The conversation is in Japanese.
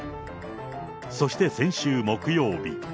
そして先週木曜日。